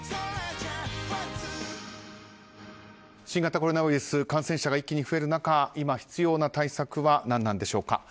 新型コロナウイルス感染者が一気に増える中今必要な対策は何でしょうか。